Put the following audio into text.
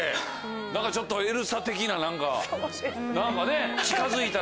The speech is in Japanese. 何かちょっとエルサ的な何かね。